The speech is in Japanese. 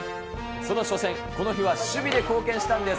その初戦、この日は守備で貢献したんです。